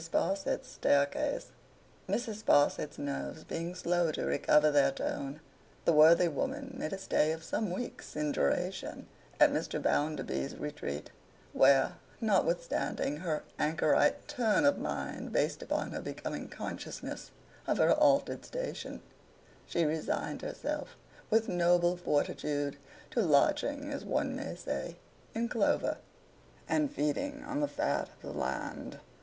SPARSIT'S STAIRCASE MRS. SPARSIT'S nerves being slow to recover their tone, the worthy woman made a stay of some weeks in duration at Mr. Bounderby's retreat, where, notwithstanding her anchorite turn of mind based upon her becoming consciousness of her altered station, she resigned herself with noble fortitude to lodging, as one may say, in clover, and feeding on the fat of the land.